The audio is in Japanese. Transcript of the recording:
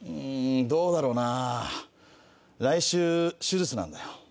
どうだろうな来週手術なんだよ。